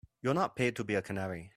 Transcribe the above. You're not paid to be a canary.